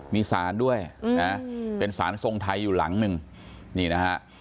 มีสารด้วยนะเป็นสารทรงไทยอยู่หลังหนึ่งนี่นะฮะ